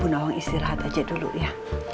bu nawang istirahat aja dulu ya